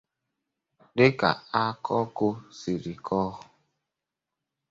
Dịka akọkụ siri kọọ